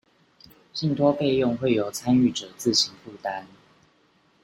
信託費用會由參與者自行負擔